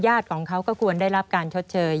ของเขาก็ควรได้รับการชดเชย